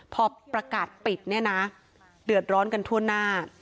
พอประกาศปิดเนี่ยนะเดือดร้อนกันทั่วหน้า